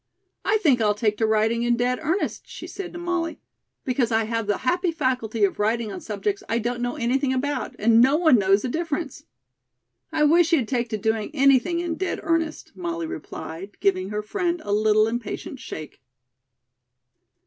"I think I'll take to writing in dead earnest," she said to Molly, "because I have the happy faculty of writing on subjects I don't know anything about, and no one knows the difference." "I wish you'd take to doing anything in dead earnest," Molly replied, giving her friend a little impatient shake.